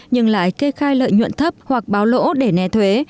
nhưng lại kê khai lợi nhuận thấp hoặc báo lỗ để né thuế